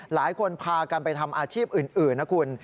หลายคนพากันไปทำอาชีพอื่นนะคุณ